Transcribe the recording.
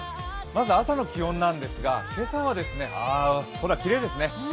まず朝の気温なんですが、今朝は、空きれいですね。